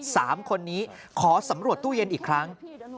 สามคนนี้ขอสำรวจตู้เย็นอีกครั้ง